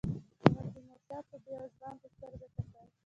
هغه تیمورشاه ته د یوه ځوان په سترګه کتل.